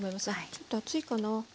ちょっと熱いかな。